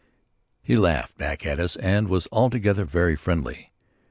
He laughed back at us and was altogether very friendly.